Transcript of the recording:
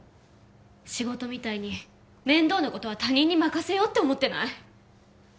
仕事みたいに面倒なことは他人に任せようって思ってない？